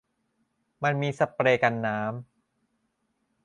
มันมีสเปรย์กันน้ำ